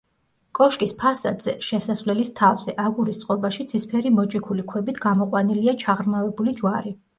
კოშკის ფასადზე, შესასვლელის თავზე აგურის წყობაში ცისფერი მოჭიქული ქვებით გამოყვანილია ჩაღრმავებული ჯვარი.